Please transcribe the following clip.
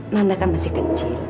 nanda kan masih kecil